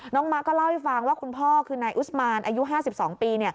มะก็เล่าให้ฟังว่าคุณพ่อคือนายอุสมานอายุ๕๒ปี